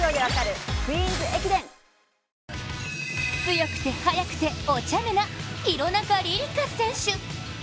強くて、速くて、おちゃめな廣中璃梨佳選手。